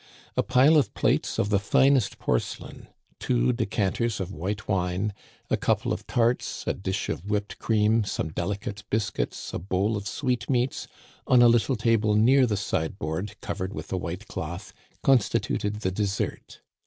A pile of plates of the finest porcelain, two decanters of white wine, a couple of tarts, a dish of whipped cream, some delicate biscuits, a bowl of sweetmeats, on a little table near the sideboard covered with a white cloth, constituted the dessert.